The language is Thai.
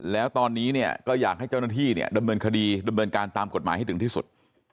แล้วตอนนี้เนี่ยก็อยากให้เจ้าหน้าที่เนี่ยดำเนินคดีดำเนินการตามกฎหมายให้ถึงที่สุด